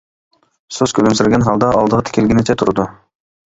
سۇس كۈلۈمسىرىگەن ھالدا ئالدىغا تىكىلگىنىچە تۇرىدۇ.